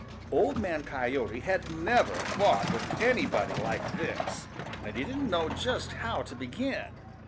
Old Man Coyote had never fought with anybody like this, and he didn't know just how to begin.